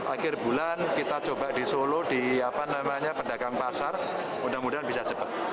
akhir bulan kita coba di solo di pedagang pasar mudah mudahan bisa cepat